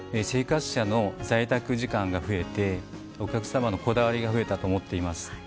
生活者の在宅時間が増えてお客さまのこだわりが増えたと思っています。